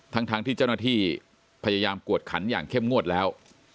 ทั้งที่เจ้าหน้าที่พยายามกวดขันอย่างเข้มงวดแล้ว